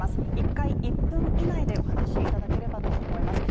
１回１分以内でお話しいただければとおもいます